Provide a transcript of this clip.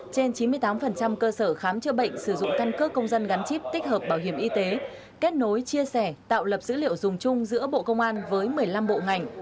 trên chín mươi tám cơ sở khám chữa bệnh sử dụng căn cước công dân gắn chip tích hợp bảo hiểm y tế kết nối chia sẻ tạo lập dữ liệu dùng chung giữa bộ công an với một mươi năm bộ ngành